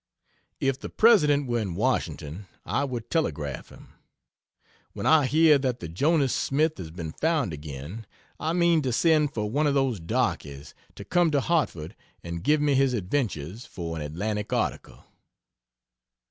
If the President were in Washington I would telegraph him. When I hear that the "Jonas Smith" has been found again, I mean to send for one of those darkies, to come to Hartford and give me his adventures for an Atlantic article.